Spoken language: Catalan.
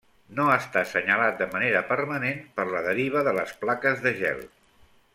No està senyalat de manera permanent per la deriva de les plaques de gel.